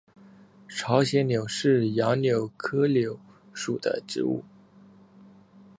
朝鲜柳是杨柳科柳属的植物。